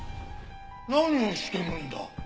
何をしてるんだ？